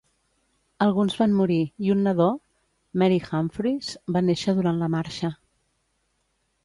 Alguns van morir i un nadó, Mary Humphries, va néixer durant la marxa.